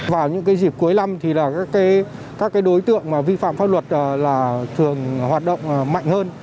vào những dịp cuối năm thì các đối tượng vi phạm pháp luật là thường hoạt động mạnh hơn